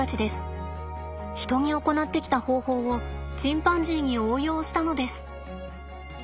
人に行ってきた方法をチンパンジーに応用したのです。